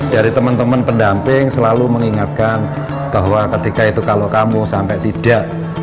dari teman teman pendamping selalu mengingatkan bahwa ketika itu kalau kamu sampai tidak